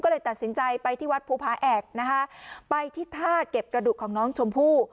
ก็เลยตัดสินใจไปที่วัดภูผาแอกนะคะไปที่ท่าเก็บกระดูกของน้องชมพู่